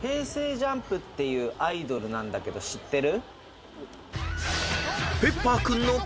ＪＵＭＰっていうアイドルなんだけど知ってる？